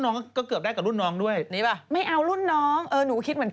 เอานางเอกเอาเรื่องที่ผมไม่รู้ใช่ป่ะที่ค่ายรู้นางเอกมึง